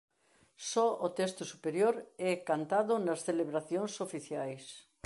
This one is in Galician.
Só o texto superior é cantado nas celebracións oficiais.